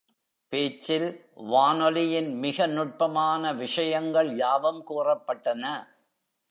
பேச்சில், வானொலியின் மிக நுட்பமான விஷயங்கள் யாவும் கூறப்பட்டன.